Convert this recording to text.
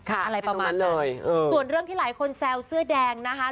อะไรประมาณนั้นเลยส่วนเรื่องที่หลายคนแซวเสื้อแดงนะคะ